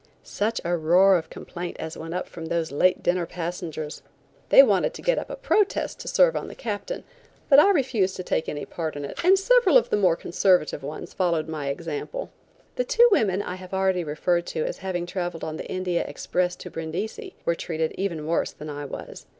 Such a roar of complaint as went up from those late dinner passengers. They wanted to get up a protest to serve on the captain, but I refused to take any part in it, and several of the more conservative ones followed my example. The two women I have already referred to as having traveled on the India Express to Brindisi, were treated even worse than I was.